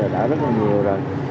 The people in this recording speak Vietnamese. đã rất là nhiều rồi